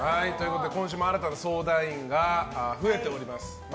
今週も新たな相談員が増えています。